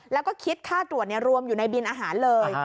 แล้วก็คิดค่าตรวจรวมอยู่ในบินอาหารเลย